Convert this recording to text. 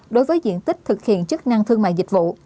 đối với diện tích thực hiện chức năng thương mại dịch vụ